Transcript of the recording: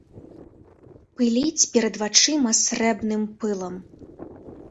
Пыліць перад вачыма срэбным пылам.